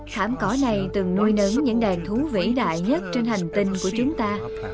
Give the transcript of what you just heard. khảm cỏ này từng nuôi nấn những đàn thú vĩ đại nhất trên hành tinh của chúng ta